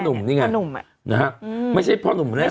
พ่อนุ่มนี่ไงพ่อนุ่มนะฮะอืมไม่ใช่พ่อนุ่มแน่นอน